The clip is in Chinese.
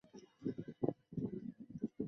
导演穿着白衬衫是默默无言的规则。